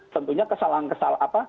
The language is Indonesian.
tentunya kesalahan kesalahan apa